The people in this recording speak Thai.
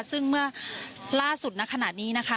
ซึ่งเมื่อล่าสุดณขณะนี้นะคะ